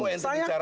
kita lagi bicara